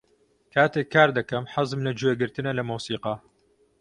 کاتێک کار دەکەم، حەزم لە گوێگرتنە لە مۆسیقا.